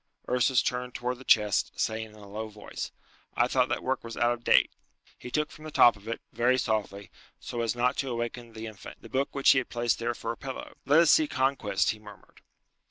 Ursus turned towards the chest, saying in a low voice, "I thought that work was out of date." He took from the top of it, very softly, so as not to awaken the infant, the book which he had placed there for a pillow. "Let us see Conquest," he murmured.